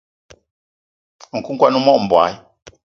Nku kwan o mog mbogui.